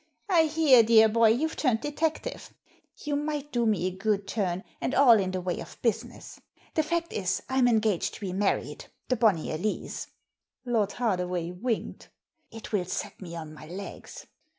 I hear, dear boy, you've turned detective ; you might do me a good turn, and all in the way of business. The fact is, I'm engaged to be married — the Bonnyer Lees." Lord Hardaway winked. It will set me on my legs."